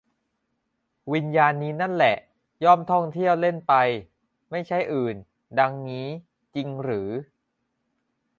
วิญญาณนี้นั่นแหละ ย่อมท่องเที่ยว เล่นไป ไม่ใช่อื่น ดังนี้ จริงหรือ